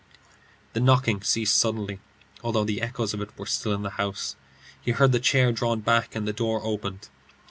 The knocking ceased suddenly, although the echoes of it were still in the house. He heard the chair drawn back, and the door opened.